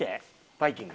バイキング。